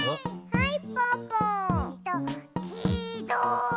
はい！